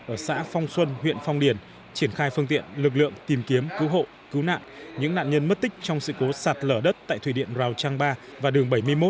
ở xã phong xuân huyện phong điền triển khai phương tiện lực lượng tìm kiếm cứu hộ cứu nạn những nạn nhân mất tích trong sự cố sạt lở đất tại thủy điện rào trăng ba và đường bảy mươi một